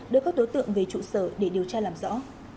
đối với các đối tượng về trụ sở để điều tra làm rõ